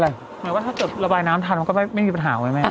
หมายความว่าถ้าเกิดระบายน้ำทันก็ไม่มีปัญหาไว้ไหม